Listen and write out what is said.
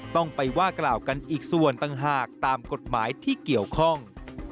ต้องไปว่ากล่าวกันอีกส่วนต่างหากตามกฎหมายที่เกี่ยวข้อง